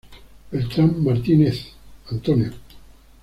Beltrán Martínez, Antonio.